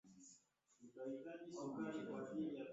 Imetayarishwa na Kennes Bwire sauti ya Amerika Washington